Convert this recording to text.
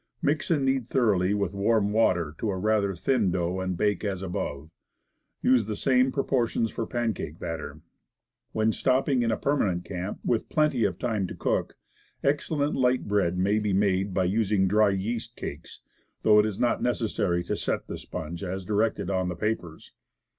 Mix and knead thoroughly with warm water to a rather thin dough, and bake as above. Use the same proportions for pancake batter. When stopping in a permanent camp with plenty of time to cook, excellent light bread may be made by using National yeast cakes, though it is not neces sary to "set" the sponge as directed on the papers.